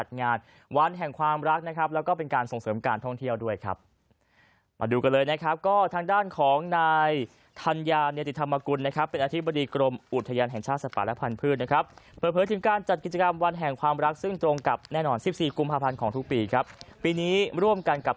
ถ้ายังไม่มีที่ไหนไปนะครับแนะนำนะครับ